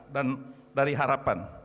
dan dari harapan